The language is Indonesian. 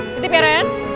titip ya ren